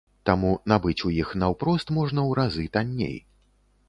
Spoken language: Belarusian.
Таму набыць у іх наўпрост можна ў разы танней.